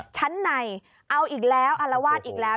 ชั้นในเอาอีกแล้วอารวาสอีกแล้ว